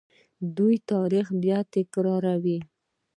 دوی تاریخ بیا تکراروي.